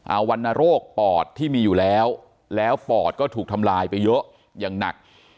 เอาวรรณโรคปอดที่มีอยู่แล้วแล้วปอดก็ถูกทำลายไปเยอะอย่างหนัก